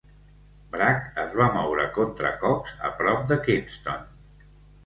Bragg es va moure contra Cox a prop de Kinston.